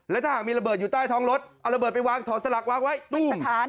และถ้าหากมีระเบิดอยู่ใต้ท้องรถเอาระเบิดไปวางถอดสลักวางไว้ตุ้ม